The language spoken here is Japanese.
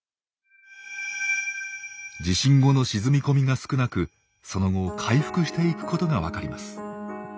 地震後の沈み込みが少なくその後回復していくことが分かります。